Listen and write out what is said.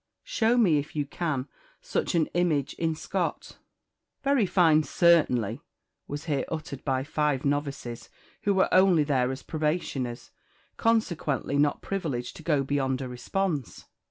Show me, if you can, such an image in Scott?" "Very fine, certainly!" was here uttered by five novices, who were only there as probationers, consequently not privileged to go beyond a response.